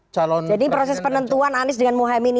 jadi proses penentuan anies dengan muhyem ini